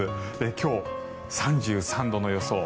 今日、３３度の予想。